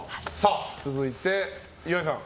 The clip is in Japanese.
続いて、岩井さん。